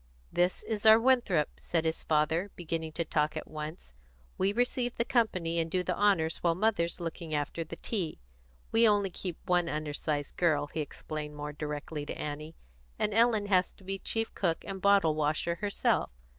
"This is our Winthrop," said his father, beginning to talk at once. "We receive the company and do the honours while mother's looking after the tea. We only keep one undersized girl," he explained more directly to Annie, "and Ellen has to be chief cook and bottlewasher herself.